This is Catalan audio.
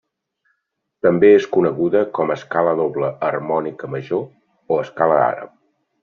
També és coneguda com a escala doble harmònica major o escala àrab.